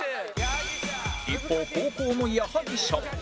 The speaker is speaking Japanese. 一方後攻の矢作舎